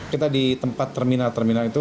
kita di tempat terminal terminal itu